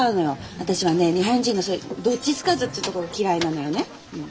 私はね日本人のそういうどっちつかずっつうとこが嫌いなのよね。